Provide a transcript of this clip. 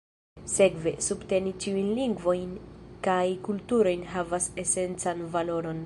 Sekve, subteni ĉiujn lingvojn kaj kulturojn havas esencan valoron.